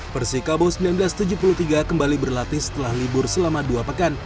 persikabo seribu sembilan ratus tujuh puluh tiga kembali berlatih setelah libur selama dua pekan